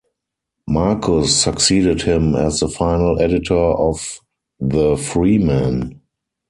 Marcus succeeded him as the final editor of "The" "Freeman".